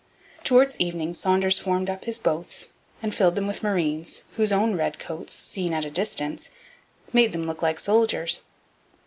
Towards evening Saunders formed up his boats and filled them with marines, whose own red coats, seen at a distance, made them look like soldiers.